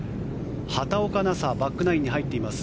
畑岡奈紗、バックナインに入っています。